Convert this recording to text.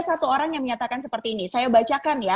satu orang yang menyatakan seperti ini saya bacakan ya